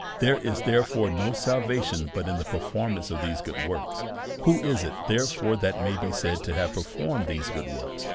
There is, therefore, no salvation but in the performance of these good works. Who is it, tiierefore, that may be said to have performed these good works?